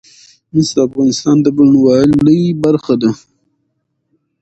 مس د افغانستان د بڼوالۍ برخه ده.